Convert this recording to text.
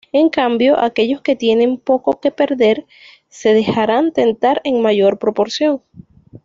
En cambio, aquellos que tienen poco que perder se dejarán tentar en mayor proporción.